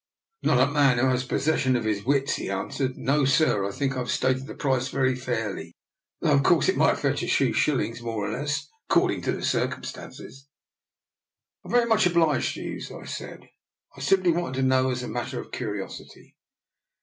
Not a man who had possession of his wits," he answered. " No, sir, I think I have stated the price very fairly, though of course it might fetch a few shillings more or less, according to circumstances." I am very much obliged to you," I said; " I simply wanted to know as a matter of curiosity."